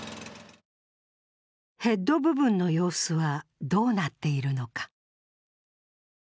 ヘッド部分の様子はどうなっているのか。